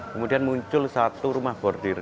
kemudian muncul satu rumah bordil